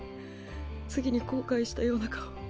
次に後悔したような顔。